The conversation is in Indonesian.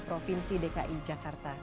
provinsi dki jakarta